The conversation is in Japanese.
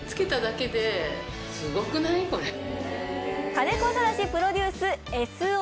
兼子ただしプロデュースＳ帯。